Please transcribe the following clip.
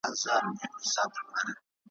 زه دي ستا لپاره غواړم نور مي نسته غرضونه `